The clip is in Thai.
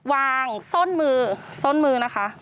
วางส้นมือ